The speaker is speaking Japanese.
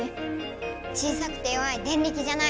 小さくて弱いデンリキじゃない。